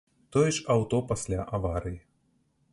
Тое ж аўто пасля аварыі.